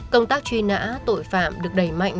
công tác truy nã tội phạm được đẩy mạnh